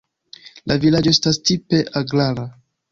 La vilaĝo estas tipe agrara.